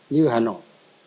như hà nội